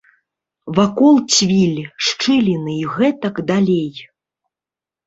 Вакол цвіль, шчыліны і гэтак далей.